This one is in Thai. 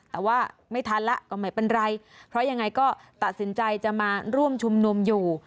แต่ว่าไม่ทันแล้วก็ไม่เป็นไรเพราะยังไงก็ตัดสินใจจะมาร่วมชุมนุมอยู่